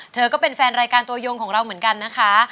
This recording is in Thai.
ก็เป็นแฟนรายการตัวยงของเราเหมือนกันนะคะ